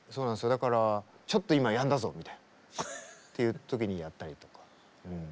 だから「ちょっと今やんだぞ」みたいなっていう時にやったりとか。